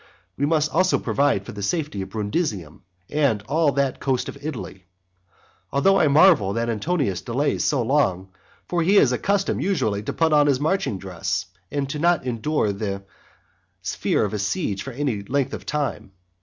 We must also provide for the safety of Brundusium and all that coast of Italy. Although I marvel that Antonius delays so long, for he is accustomed usually to put on his marching dress and not to endure the fear of a siege for any length of time.